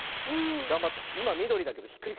がんばって。